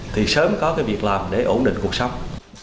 thì sớm có cái việc làm để ổn định cuộc sống